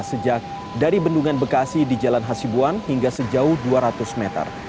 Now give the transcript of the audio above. sejak dari bendungan bekasi di jalan hasibuan hingga sejauh dua ratus meter